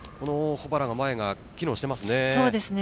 保原の前が機能していますね。